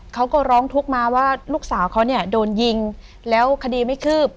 เขาก็ร้องทุกข์มาว่าลูกสาวเขาเนี่ยโดนยิงแล้วคดีไม่คืบ